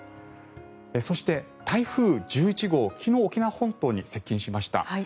そして、台風１１号昨日、沖縄本島に接近しました。